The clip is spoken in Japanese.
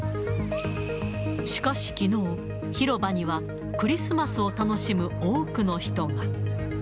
しかしきのう、広場にはクリスマスを楽しむ多くの人が。